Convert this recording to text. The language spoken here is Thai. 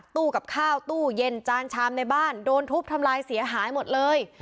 ตู้กับข้าวตู้เย็นจานชามในบ้านโดนทุบทำลายเสียหายหมดเลย